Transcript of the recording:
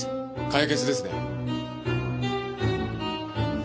解決ですね。